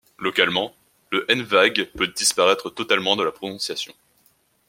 Localement, le ñ peut disparaître totalement de la prononciation.